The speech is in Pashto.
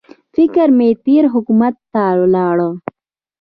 فکر مې تېر حکومت ته ولاړی.